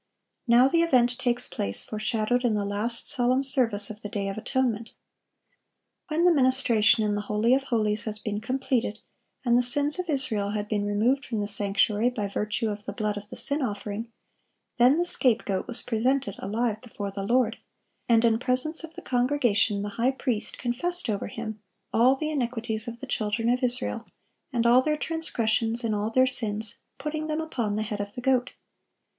Now the event takes place, foreshadowed in the last solemn service of the day of atonement. When the ministration in the holy of holies had been completed, and the sins of Israel had been removed from the sanctuary by virtue of the blood of the sin offering, then the scapegoat was presented alive before the Lord; and in presence of the congregation the high priest confessed over him "all the iniquities of the children of Israel, and all their transgressions in all their sins, putting them upon the head of the goat."